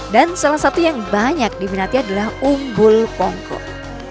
dan salah satu yang banyak diminati adalah umbul ponggok